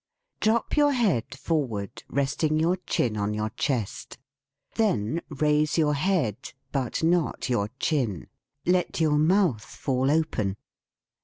Drop your head forward, resting your chin on your chest. Then raise your head, but not your chin. Let your mouth fall open.